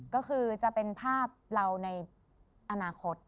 ก็คือจะเป็นภาพเราในอนาคต